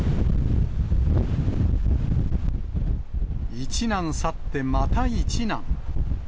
一難去ってまた一難。